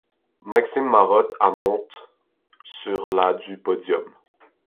Maxime Marotte à monte sur la du podium.